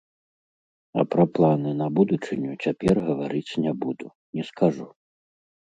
А пра планы на будучыню цяпер гаварыць не буду, не скажу.